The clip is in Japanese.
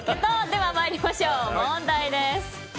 では参りましょう、問題です。